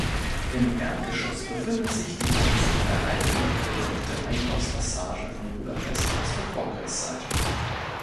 Im Erdgeschoss befindet sich die einzig erhaltene bedeckte Einkaufspassage von Budapest aus der Vorkriegszeit.